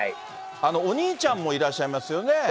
お兄ちゃんもいらっしゃいますよね。